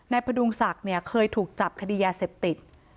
นายพระดูงศักดิ์เนี่ยเขาทุกต่อจับคดียาเศพติก